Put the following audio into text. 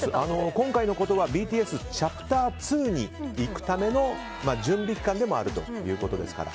今回のことはＢＴＳチャプター２に行くための準備期間でもあるということですから。